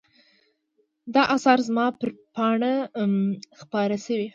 دا آثار زما پر پاڼه خپاره شوي.